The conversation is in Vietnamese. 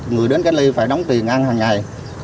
người đến cách ly phải đóng tiền ăn hàng ngày